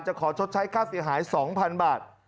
ขอชดใช้ค่าเสียหาย๒๐๐๐บาท